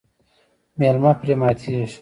میلمه پرې ماتیږي.